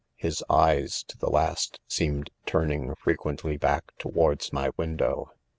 His eyes, to the 'last, seemed turning frequently back to wards my window